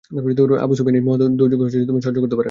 Abu Sufyan এই মহা দুর্যোগ সহ্য করতে পারে না।